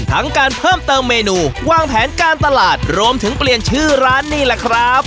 ทั้งการเพิ่มเติมเมนูวางแผนการตลาดรวมถึงเปลี่ยนชื่อร้านนี่แหละครับ